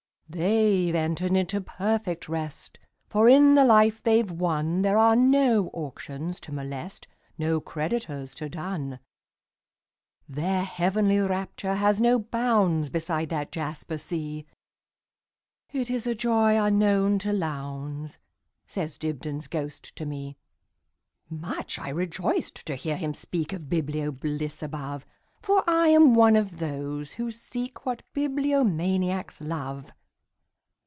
"They 've entered into perfect rest; For in the life they 've wonThere are no auctions to molest, No creditors to dun. Their heavenly rapture has no boundsBeside that jasper sea; It is a joy unknown to Lowndes,"Says Dibdin's ghost to me. Much I rejoiced to hear him speakOf biblio bliss above, For I am one of those who seekWhat bibliomaniacs love.